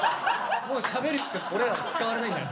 もうしゃべるしかオレらは使われないんだから。